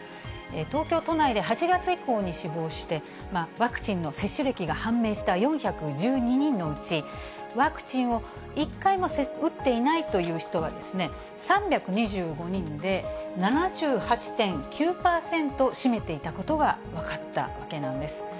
東京都内で８月以降に死亡して、ワクチンの接種歴が判明した４１２人のうち、ワクチンを１回も打っていないという人は３２５人で、７８．９％占めていたことが分かったわけなんです。